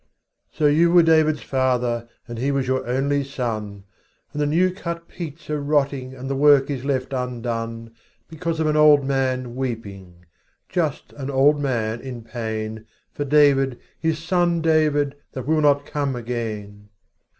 lO you were David's father, And he was your only son, And the new cut peats are rotting And the work is left undone. Because of an old man weeping, Just an old man in pain. For David, his son David, That will not come again.